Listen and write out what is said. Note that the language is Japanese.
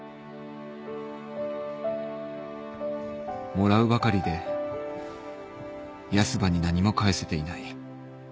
もらうばかりでヤスばに何も返せていない